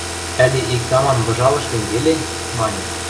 Ӓли иктӓ-мам выжалыш гӹнь веле? – маньы.